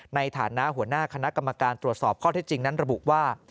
ในฐานะหัวหน้าคณะกรรมการตรวจสอบข้อเท็จจริงนั้นระบุว่า